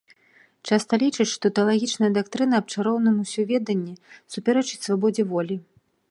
Часта лічаць, што тэалагічная дактрына аб чароўным усёведанні супярэчыць свабодзе волі.